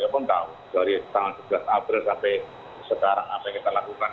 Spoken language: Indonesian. open dari tanggal sebelas april sampai sekarang apa yang kita lakukan